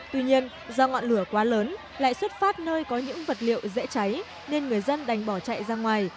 tuy nhiên do ngọn lửa quá lớn lại xuất phát nơi có những vật liệu dễ cháy nên người dân đành bỏ chạy ra ngoài